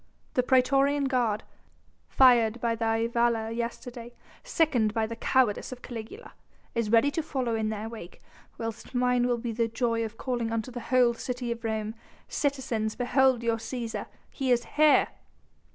The praetorian guard, fired by thy valour yesterday, sickened by the cowardice of Caligula, is ready to follow in their wake, whilst mine will be the joy of calling unto the whole city of Rome: 'Citizens, behold your Cæsar! He is here!'"